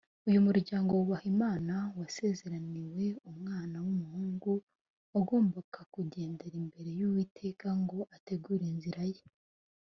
Uyu muryango wubaha Imana wasezeraniwe umwana w’umuhungu, wagombaga ‘‘kugendera imbere y’Uwiteka ngo ategure inzira Ye